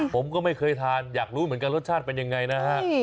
ผมก็ไม่เคยทานอยากรู้เหมือนกันรสชาติเป็นยังไงนะฮะ